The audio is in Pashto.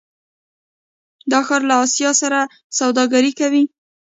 دا ښار له اسیا سره سوداګري کوي.